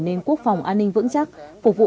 nên quốc phòng an ninh vững chắc phục vụ